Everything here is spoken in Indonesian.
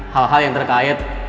hal hal yang terkait